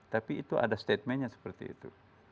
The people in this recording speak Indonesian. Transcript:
tapi itu ada statementnya seperti itu